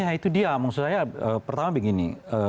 ya itu dia maksud saya pertama begini